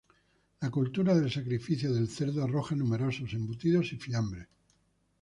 La cultura del sacrificio del cerdo arroja numerosos embutidos y fiambres.